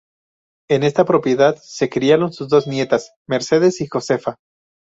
En esta propiedad se criaron sus dos nietas, Mercedes y Josefa.